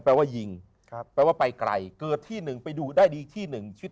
ว่ายิงครับแปลว่าไปไกลเกิดที่หนึ่งไปดูได้ดีที่หนึ่งชีวิต